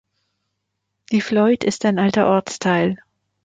Die Fleuth ist ein alter Ortsteil.